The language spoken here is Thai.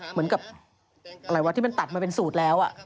เหมือนกับอะไรวะที่มันตัดมาเป็นสูตรแล้ว